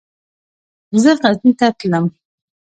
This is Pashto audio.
زه غزني ته تلم.